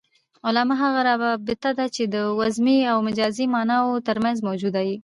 علاقه هغه رابطه ده، چي د وضمي او مجازي ماناوو ترمنځ موجوده يي.